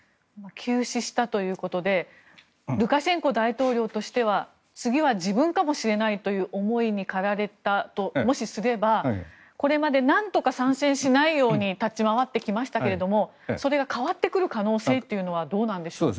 急死したということでルカシェンコ大統領としては次は自分かもしれないという思いに駆られたともしすればこれまでなんとか参戦しないように立ち回ってきましたがそれが変わってくる可能性はどうなんでしょうか。